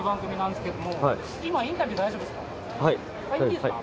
いいですか？